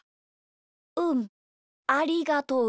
うんありがとう。